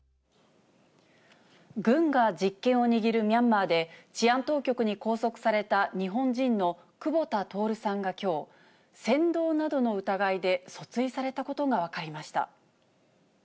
軍が実権を握るミャンマーで、治安当局に拘束された日本人の久保田徹さんがきょう、扇動などの疑いで訴追されたことが分かりました。